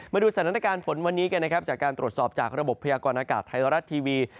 มาดูสถานการณ์ฝนวันนี้กันนะครับจากการตรวจสอบจากระบบพยากรณากาศไทยรัฐทีวี